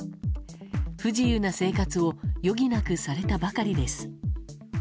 不自由な生活を余儀なくされたばかりです。